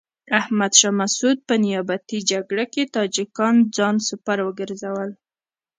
احمد شاه مسعود په نیابتي جګړه کې تاجکان ځان سپر وګرځول.